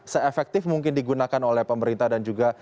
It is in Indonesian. se efektif mungkin digunakan oleh pemerintah dan juga